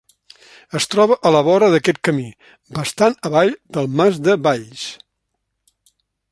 Es troba a la vora d'aquest camí, bastant avall del Mas de Valls.